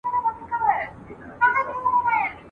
او غاښونه، و پیلانو ته شوند او غاښونه